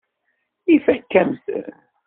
Ifakk-am-ten.